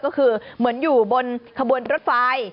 ก็คือเหมือนอยู่บนขบวนรถไฟ